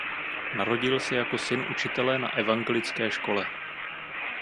Narodil se jako syn učitele na evangelické škole.